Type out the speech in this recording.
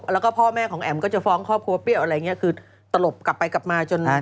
แล้วก็พ่อแม่ของแอ๋มก็จะฟ้องครอบครัวเปรี้ยวอะไรอย่างนี้คือตลบกลับไปกลับมาจน